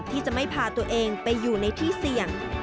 ที่จะไม่พาตัวเองไปอยู่ในที่เสี่ยง